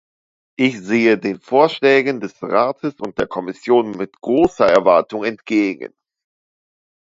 Ich sehe den Vorschlägen des Rates und der Kommission mit großer Erwartung entgegen.